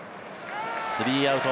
３アウト。